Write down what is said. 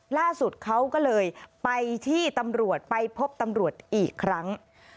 ล่าสุดเขาก็เลยไปที่ตำรวจไปพบตำรวจอีกครั้ง